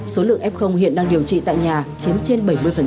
số lượng f hiện đang điều trị tại nhà chiếm trên bảy mươi